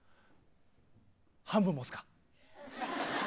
半分もですか。